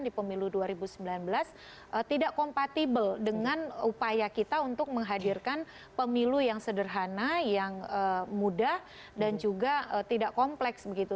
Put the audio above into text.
di pemilu dua ribu sembilan belas tidak kompatibel dengan upaya kita untuk menghadirkan pemilu yang sederhana yang mudah dan juga tidak kompleks begitu